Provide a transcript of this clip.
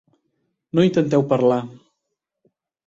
No intenteu parlar!